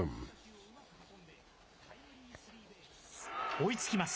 追いつきます。